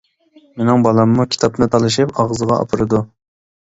مىنىڭ بالاممۇ كىتابنى تالىشىپ ئاغزىغا ئاپىرىدۇ.